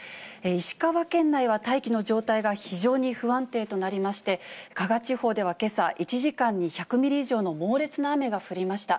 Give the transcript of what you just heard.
石川県内は大気の状態が非常に不安定となりまして、加賀地方ではけさ、１時間に１００ミリ以上の猛烈な雨が降りました。